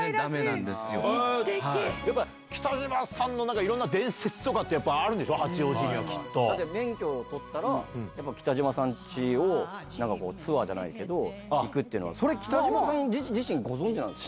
やっぱ北島さんの、なんかいろんな伝説とかってやっぱあるんでしょ、八王子にはきっだって、免許を取ったら、なんかこう、ツアーじゃないけど、行くっていうのは、それ、北島さん自身ってご存じなんですか？